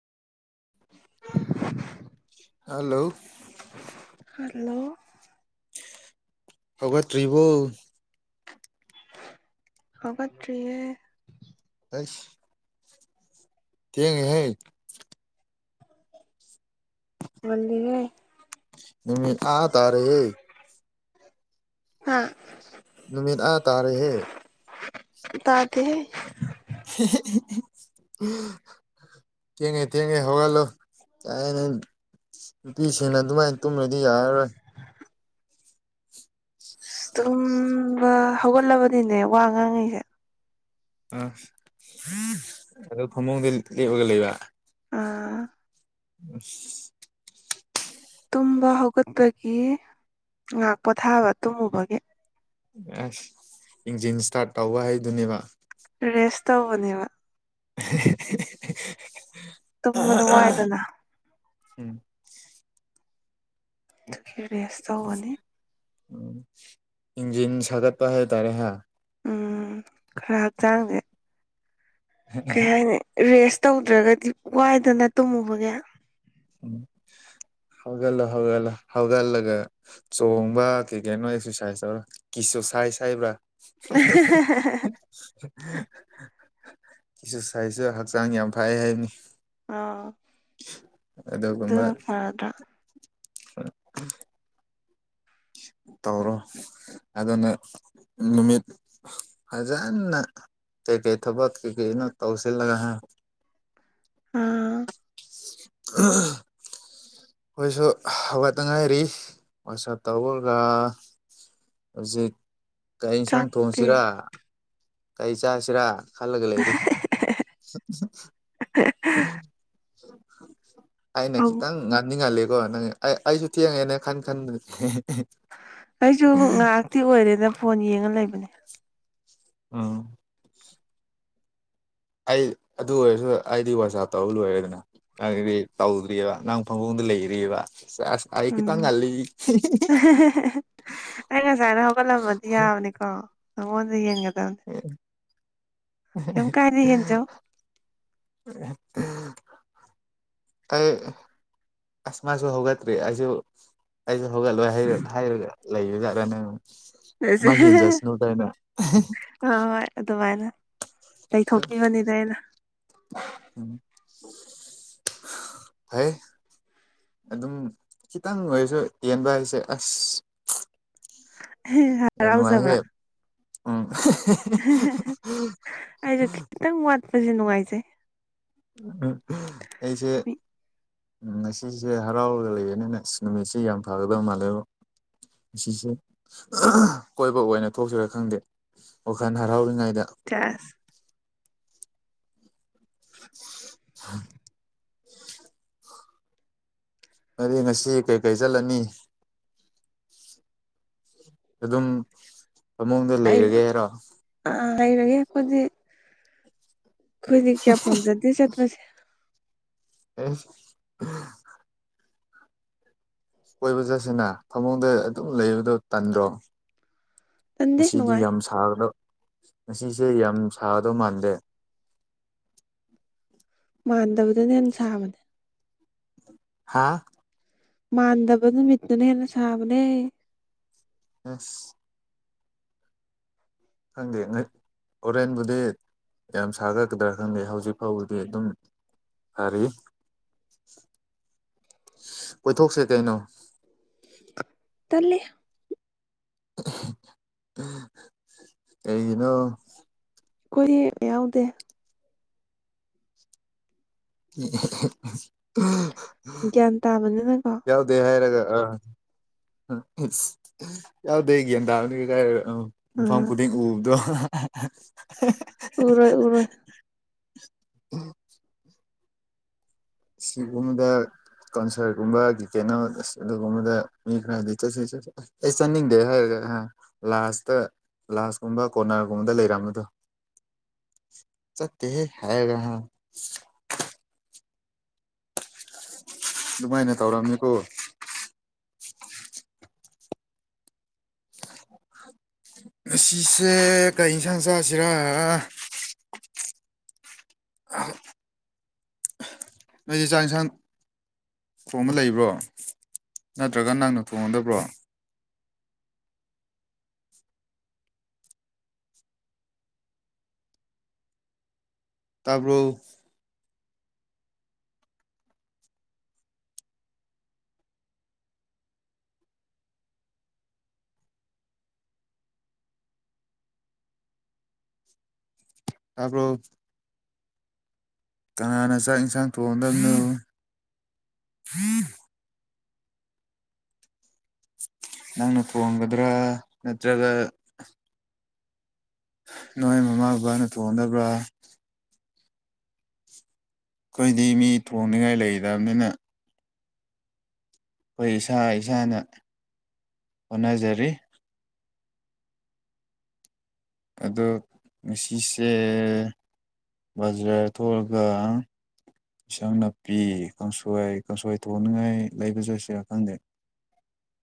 hello hello ꯒꯠꯇ꯭ꯔꯤꯕꯣ ꯍꯧꯒꯠꯇ꯭ꯔꯤꯑꯌꯦ ꯇꯩꯁ ꯊꯦꯡꯉ ꯍꯩ ꯍꯜꯂꯤꯒꯦ ꯅꯨꯃꯤꯠ ꯑꯥ ꯇꯥꯔꯦ ꯑ ꯅꯨꯃꯤꯠ ꯑꯥ ꯇꯥꯔꯦꯍꯦ ꯇꯥꯗꯍꯦ ꯎ ꯊꯦꯡꯉꯦ ꯊꯦꯡꯉꯦ ꯍꯒꯂꯣ ꯅꯨꯄꯤꯁꯤꯡꯅ ꯑꯗꯨꯃꯥꯏꯅ ꯇꯨꯝꯔꯗꯤ ꯌꯥꯔꯔꯣꯏ ꯑ ꯇꯨꯝꯕ ꯍꯧꯒꯠꯂꯕꯅꯤꯅꯦ ꯋꯥ ꯉꯥꯡꯉꯁꯦ ꯑ ꯑꯗꯣ ꯐꯃꯨꯡꯗ ꯂꯦꯞꯄꯒ ꯂꯩꯕ ꯑꯥ ꯑꯁ ꯇꯨꯝꯕ ꯍꯧꯒꯠꯄꯒꯤ ꯉꯥꯛ ꯄꯣꯊꯥꯕ ꯇꯨꯝꯃꯨꯕꯒꯤ ꯑꯁ ꯏꯪꯖꯤꯟ ꯏꯁꯇꯥꯔꯠ ꯇꯧꯕ ꯍꯥꯏꯗꯨꯅꯦꯕ ꯔꯦꯁ ꯇꯧꯅꯦꯕ ꯍꯤ ꯇꯝꯕꯗꯣ ꯋꯥꯏꯗꯅ ꯎꯝ ꯑꯗꯨꯒꯤ ꯔꯦꯁ ꯇꯧꯕꯅꯤ ꯎꯝ ꯏꯟꯖꯤꯟ ꯁꯥꯒꯠꯄ ꯍꯥꯏꯇꯥꯔꯦ ꯍꯥꯏ ꯎꯝ ꯈꯔ ꯍꯛꯆꯥꯡꯁꯦ ꯀꯩ ꯍꯥꯏꯅꯤ ꯔꯦꯁ ꯇꯧꯗ꯭ꯔꯒꯗꯤ ꯋꯥꯏꯗꯅ ꯇꯨꯝꯃꯨꯕꯒ ꯍꯧꯒꯂ ꯍꯒꯂ ꯍꯒꯂꯒ ꯆꯣꯡꯕ ꯀꯩ ꯀꯅꯣ ꯑꯦꯛꯁꯔꯁꯥꯏꯁ ꯇꯧꯔ ꯀꯁꯨ ꯁꯥꯏ ꯁꯥꯏꯕ꯭ꯔꯥ ꯍꯤ ꯀꯁꯨ ꯁꯥꯏꯁꯨ ꯍꯛꯆꯥꯡ ꯌꯥꯝ ꯐꯩ ꯍꯥꯏꯕꯅꯤ ꯈꯔ ꯐꯔꯗ꯭ꯔꯥ ꯑ ꯇꯧꯔꯣ ꯑꯗꯨꯅ ꯅꯨꯃꯤꯠ ꯐꯖꯅ ꯀ ꯀꯩ ꯊꯕ ꯀ ꯀ ꯇꯧꯦ ꯂꯒ ꯎꯝ [unintelligible] ꯑꯩꯈꯣꯏꯁꯨ ꯍꯧꯒꯠꯅꯤꯡꯉꯥꯏꯔꯤ ꯋꯥꯆꯞ ꯇꯧꯔꯔꯒ ꯍꯧꯖꯤꯛ ꯀꯛ ꯌꯦꯟꯁꯥꯡ ꯆꯥꯛꯇꯤ ꯊꯣꯡꯁꯤꯔꯥ ꯀꯔꯤ ꯆꯥꯁꯤꯔꯥ ꯍꯜꯂꯒ ꯂꯩꯔꯤ ꯑꯩꯅ ꯍꯧ ꯈꯤꯇꯪ ꯉꯥꯡꯅꯤꯡꯉꯜꯂꯦꯀꯣ ꯅꯪ ꯑꯩ ꯑꯩꯁꯨ ꯊꯦꯡꯉꯦꯅꯦ ꯈꯟ ꯈꯟꯗ ꯑꯩꯁꯨ ꯉꯥꯏꯍꯥꯛꯇꯤ ꯑꯣꯏꯔꯦꯅ ꯐꯣꯟ ꯌꯦꯡꯉ ꯂꯩꯕꯅꯦ ꯑꯥ ꯑꯩ ꯑꯗꯨ ꯑꯣꯏꯔꯁꯨ ꯑꯩꯗꯤ ꯋꯥꯆꯞ ꯇꯧꯔ ꯂꯣꯏꯔꯦꯗꯅ ꯑꯗꯨꯗꯤ ꯇꯧꯗ꯭ꯔꯤꯑꯕ ꯅꯪ ꯐꯪꯐꯝꯣꯡꯗ ꯂꯩꯔꯤꯑꯕ ꯑꯁ ꯑꯩ ꯎꯝ ꯈꯤꯇꯪ ꯉꯜꯂꯤ [unintelligible] ꯑꯩ ꯉꯁꯥꯏꯅ ꯍꯧꯒꯠꯂꯝꯃꯗꯤ ꯌꯥꯕꯅꯤꯀꯣ ꯅꯉꯣꯟꯗ ꯌꯦꯡꯒꯗꯕꯅꯤ [inaudible] ꯀ ꯀꯥꯗꯒꯤ ꯌꯦꯅꯤ ꯆꯣ [unintelligible] ꯑꯩ ꯑꯁ ꯃꯥꯁꯨ ꯍꯧꯒꯠꯇ꯭ꯔꯤ ꯑꯩꯁꯨ ꯑꯩꯁꯨ ꯍꯧꯒꯠꯂꯣꯏꯔ ꯍꯥꯏꯔꯒ ꯂꯩꯌꯦ ꯇꯔꯅꯦ ꯍꯣꯏ ꯑꯗꯨꯃꯥꯏꯅ ꯂꯩꯊꯣꯛꯄꯤꯕꯅꯤꯗ ꯑꯩꯅ ꯍꯥꯏ ꯑꯗꯨꯝ ꯈꯤꯇꯪ ꯑꯣꯏꯔꯁꯨ ꯇꯦꯟꯕ ꯍꯥꯏꯁꯦ ꯑꯁ ꯍꯔꯥꯎꯖꯕ꯭ꯔꯥ ꯑꯦꯍꯦ ꯎꯝ ꯑꯩꯁꯨ ꯈꯤꯇꯪ ꯋꯥꯠꯄꯁꯦ ꯅꯨꯡꯉꯥꯏꯖꯩ ꯎ ꯑꯩꯁꯦ ꯎ ꯉꯁꯤꯁꯦ ꯍꯔꯥꯎꯔꯒ ꯂꯩꯌꯦꯅꯤꯅ ꯅꯨꯃꯤꯠꯁꯤꯦ ꯌꯥꯝ ꯐꯒꯗꯕ ꯃꯥꯜꯂꯦꯕ ꯑꯁꯤꯁꯦ ꯀꯣꯏꯕ ꯑꯣꯏꯅ ꯊꯣꯛꯁꯤꯔꯥ ꯈꯪꯗꯦ ꯋꯥꯈꯜ ꯍꯔꯥꯎꯔꯤꯉꯩꯗ ꯆꯥꯁ ꯎꯝ ꯑꯗꯨ ꯉꯁꯤ ꯀꯩꯀꯩ ꯆꯠꯂꯅꯤ ꯑꯗꯨꯝ ꯐꯃꯨꯡꯗ ꯑꯩꯔꯣ ꯂꯩꯔꯒꯦ ꯍꯥꯏꯔꯣ ꯑꯥ ꯂꯩꯔꯒꯦ ꯑꯩꯈꯣꯏꯗꯤ ꯑꯩꯈꯣꯏꯗꯤ ꯀꯌꯥ ꯄꯥꯝꯖꯗꯦ ꯆꯠꯄꯁꯦ ꯑꯦ ꯀꯣꯏꯕ ꯆꯠꯁꯤꯅ ꯊꯃꯨꯡꯗ ꯑꯗꯨꯝ ꯂꯩꯕꯗꯣ ꯇꯟꯗ꯭ꯔꯣ ꯇꯟꯗꯦ ꯉꯁꯤꯗꯤ ꯅꯨꯡꯉꯥꯏ ꯌꯥꯝ ꯁꯥꯒꯗꯕ ꯉꯁꯤꯁꯦ ꯌꯥꯝ ꯁꯥꯒꯗꯧ ꯃꯥꯟꯗꯦ ꯃꯥꯟꯗꯕꯗꯅ ꯍꯦꯟꯅ ꯁꯥꯕꯅꯦ ꯍꯥꯥ ꯃꯥꯟꯗꯕ ꯅꯨꯃꯤꯠꯇꯨꯅ ꯍꯦꯟꯅ ꯁꯥꯕꯅꯦ ꯑ ꯈꯪꯗꯦ ꯍꯣꯔꯦꯟꯕꯨꯗꯤ ꯌꯥꯝ ꯁꯥꯒꯠꯀꯗ꯭ꯔꯥ ꯈꯪꯗꯦ ꯍꯧꯖꯤꯛ ꯐꯥꯎꯕꯗꯤ ꯑꯗꯨꯝ ꯐꯔꯤ ꯀꯣꯏꯊꯣꯛꯁꯦ ꯀꯩꯅꯣ ꯇꯂꯦ ꯀꯩꯒꯤꯅꯣ ꯑꯩꯈꯣꯏ ꯌꯥ ꯌꯥꯎꯗꯦ [inaudible] ꯒ꯭ꯌꯥꯟ ꯇꯥꯕꯅꯤꯅꯀꯣ ꯌꯥ ꯗꯦ ꯍꯥꯏꯔꯒ ꯑ ꯌꯥꯎꯗꯦ ꯒ꯭ꯌꯥꯟ ꯇꯥꯕꯅꯤ ꯀꯥꯏꯔꯒ ꯃꯐꯝ ꯑ ꯈꯨꯗꯤꯡ ꯎꯕꯗꯣ ꯎꯔꯣꯏ ꯎꯔꯣꯏ ꯁꯤꯒꯨꯝꯗ [inaudible] ꯀꯣꯟꯁꯔꯠꯒꯨꯝꯕ ꯀꯤꯀꯦꯠ ꯑꯃ ꯑꯗꯨꯒꯨꯝꯕꯗ ꯃꯤ ꯈꯔꯗꯤ ꯆꯠꯁꯤ ꯆꯠꯁꯤ ꯑꯩ ꯆꯥꯅꯤꯡꯗꯦ ꯍꯥꯏꯔꯒ ꯂꯥꯁꯇ ꯄꯂꯥꯁꯀꯨꯝꯕ ꯀꯣꯔꯅꯔꯒꯨꯝꯕꯗ ꯂꯩꯔꯝꯕꯗꯣ ꯆꯠꯇꯦꯍꯦ ꯍꯥꯏꯒ ꯍꯥ ꯑꯗꯨꯃꯥꯏꯅ ꯇꯧꯔꯝꯅꯤꯀꯣ ꯉꯁꯤꯁꯦ ꯀꯩ ꯌꯦꯟꯁꯥꯡ ꯆꯥꯁꯤꯔꯥ ꯅꯣꯏꯗꯤ ꯆꯥꯛ ꯌꯦꯟꯁꯥꯡ ꯊꯣꯡꯕ ꯂꯩꯕ꯭ꯔꯣ ꯅꯠꯇ꯭ꯔꯒ ꯅꯪꯅ ꯊꯣꯡꯉꯗꯕ꯭ꯔꯣ ꯇꯥꯕꯔꯣ ꯇꯥꯕꯔꯣ ꯊꯅꯅꯥ ꯆꯥꯛ ꯏꯟꯁꯥꯡ ꯊꯣꯡꯗꯣꯢꯅꯣ ꯎꯝ [inaudible] ꯅꯪꯅ ꯊꯣꯡꯒꯗ꯭ꯔꯥ ꯅꯠꯇ꯭ꯔꯒ ꯅꯣꯏ ꯃꯃꯥ ꯃꯄꯥꯅ ꯊꯣꯡꯒꯗꯕ꯭ꯔꯥ ꯑꯩꯈꯣꯏꯗꯤ ꯃꯤ ꯊꯣꯡꯅꯤꯡꯉꯥꯏ ꯂꯩꯗꯕꯅꯤꯅ ꯑꯩꯈꯣꯏ ꯏꯁꯥ ꯏꯁꯥꯅ ꯍꯣꯠꯅꯖꯔꯤ ꯑꯗꯣ ꯉꯁꯤꯁꯦ ꯕꯖꯔ ꯊꯣꯛꯂꯒ ꯏꯟꯁꯥꯡ ꯅꯥꯄꯤ ꯀꯥꯡꯁꯣꯏ ꯀꯥꯡꯁꯣꯏ ꯊꯣꯡꯅꯤꯡꯉꯥꯏ ꯂꯩꯕ ꯆꯠꯁꯤꯔꯥ ꯈꯪꯗꯦ